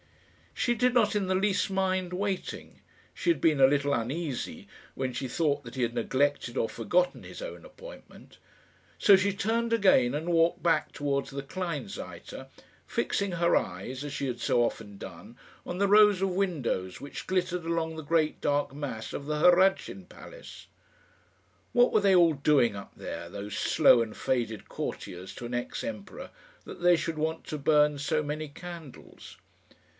She did not in the least mind waiting. She had been a little uneasy when she thought that he had neglected or forgotten his own appointment. So she turned again and walked back towards the Kleinseite, fixing her eyes, as she had so often done, on the rows of windows which glittered along the great dark mass of the Hradschin Palace. What were they all doing up there, those slow and faded courtiers to an ex Emperor, that they should want to burn so many candles?